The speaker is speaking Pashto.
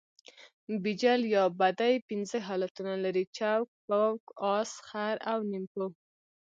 بیجل یا بډۍ پنځه حالتونه لري؛ چوک، پوک، اس، خر او نیمپو.